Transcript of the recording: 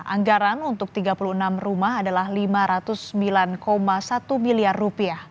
anggaran untuk tiga puluh enam rumah adalah rp lima ratus sembilan satu miliar